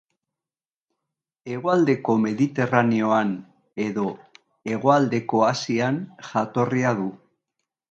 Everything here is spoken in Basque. Hegoaldeko Mediterraneoan edo hegoaldeko Asian jatorria du.